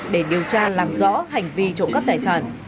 để điều tra làm rõ hành vi trộm cắp tài sản